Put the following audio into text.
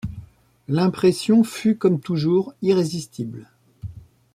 L’impression fut, comme toujours, irrésistible.